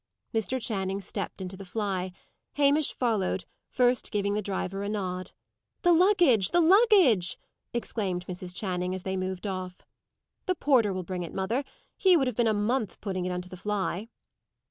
Mr. Channing stepped into the fly. Hamish followed, first giving the driver a nod. "The luggage! The luggage!" exclaimed Mrs. Channing, as they moved off. "The porter will bring it, mother. He would have been a month putting it on to the fly."